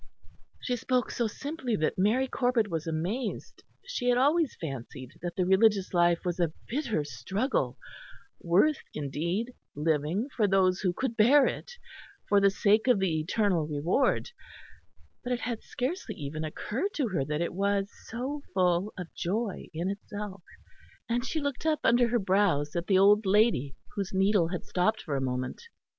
She spoke so simply that Mary Corbet was amazed; she had always fancied that the Religious Life was a bitter struggle, worth, indeed, living for those who could bear it, for the sake of the eternal reward; but it had scarcely even occurred to her that it was so full of joy in itself; and she looked up under her brows at the old lady, whose needle had stopped for a moment.